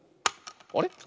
あれ？